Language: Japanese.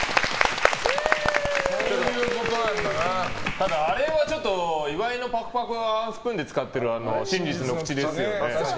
ただ、あれはちょっと岩井のわんぱくワンスプーンで使っている真実の口ですよね。